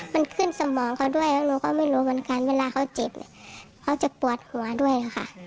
มันขึ้นสมองเขาด้วยแล้วหนูก็ไม่รู้เหมือนกันเวลาเขาเจ็บเนี่ยเขาจะปวดหัวด้วยค่ะ